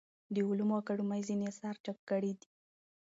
د علومو اکاډمۍ ځینې اثار چاپ کړي دي.